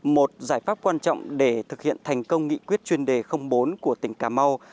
một giải pháp quan trọng để thực hiện thành công nghị quyết chuyên đề bốn của tỉnh cà mau